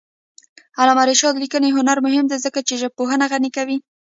د علامه رشاد لیکنی هنر مهم دی ځکه چې ژبپوهنه غني کوي.